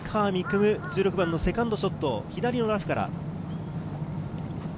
夢、１６番のセカンドショット、左のラフから。